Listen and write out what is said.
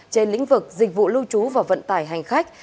trên lĩnh vực dịch vụ lưu trú và vận tải hành khách